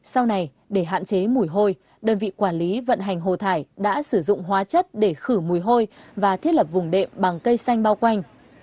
sau này để hạn chế mùi hôi đơn vị quản lý vận hành hồ thải đã sử dụng hóa chất để khử mùi hôi và thiết lập vùng đệm bằng cây xanh bao quanh